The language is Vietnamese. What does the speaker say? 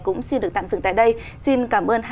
cũng xin được tạm dừng tại đây xin cảm ơn